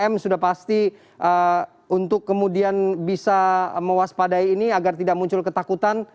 tiga m sudah pasti untuk kemudian bisa mewaspadai ini agar tidak muncul ketakutan